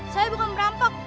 saya bukan perampok